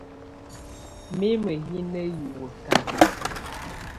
Mimǝ́ yɛ́ na hiwǝ́ kahá.